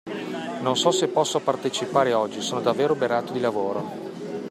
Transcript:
Non so se posso partecipare oggi, sono davvero oberato di lavoro.